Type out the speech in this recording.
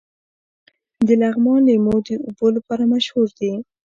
د لغمان لیمو د اوبو لپاره مشهور دي.